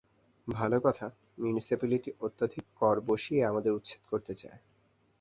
ভাল কথা মিউনিসিপ্যালিটি অত্যধিক কর বসিয়ে আমাদের উচ্ছেদ করতে চায়।